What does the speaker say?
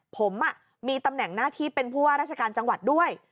ผมมีตำแหน่งหน้าที่เป็นผู้ว่าราชการจังหวัดด้วย